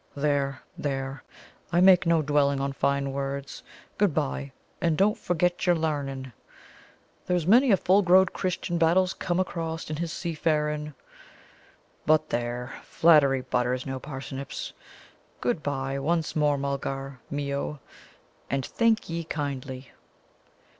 There, there; I make no dwelling on fine words. Good bye, and don't forget your larnin'. There's many a full growed Christian Battle's come acrost in his seafarin' but there, flattery butters no parsnips. Good bye, once more, Mulgar mio, and thankee kindly."